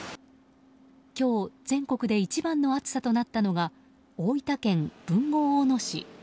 今日、全国で一番の暑さとなったのが大分県豊後大野市。